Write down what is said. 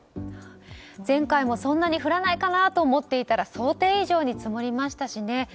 前回もそんなに降らないかなと思っていたら想定以上に積もりましたしね。